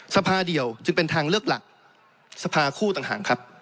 สภาเดียวจึงเป็นทางเลือกหลักสภาคู่ต่างครับ